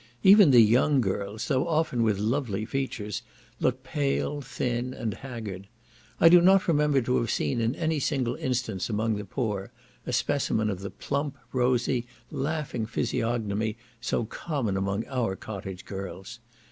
Even the young girls, though often with lovely features, look pale, thin, and haggard. I do not remember to have seen in any single instance among the poor, a specimen of the plump, rosy, laughing physiognomy so common among our cottage girls.